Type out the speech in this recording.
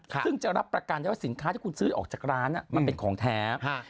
ซึ่งจะรับประกันได้ว่าสินค้าที่คุณซื้อออกจากร้านมันเป็นของแท้